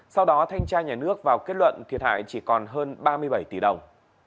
sau đó thanh tra nhà nước vào kết luận thiệt hại chỉ còn hơn ba mươi bảy tỷ đồng